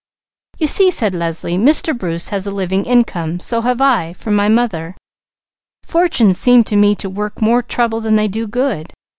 "You see," said Leslie, "Mr. Bruce has a living income; so have I, from my mother. Fortunes seem to me to work more trouble than they do good.